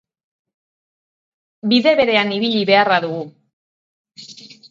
Bide berean ibili beharra dugu.